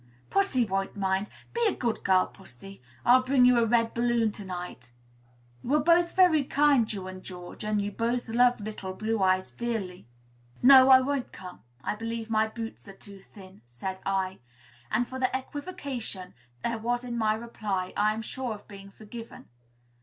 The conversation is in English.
"Pussy won't mind. Be a good girl, pussy; I'll bring you a red balloon to night." You are both very kind, you and George, and you both love little Blue Eyes dearly. "No, I won't come. I believe my boots are too thin," said I; and for the equivocation there was in my reply I am sure of being forgiven.